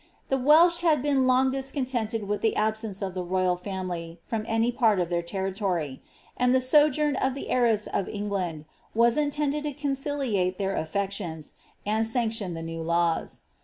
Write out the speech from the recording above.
The Welsh had been long discontented with the absence of the royal family from any part of their tenitory, and the sojourn of the heiress of England was intended to conciliate their aflrc tions, and sanction the new laws.